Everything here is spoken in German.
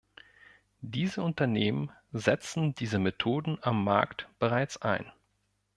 Diese Unternehmen setzen diese Methoden am Markt bereits ein.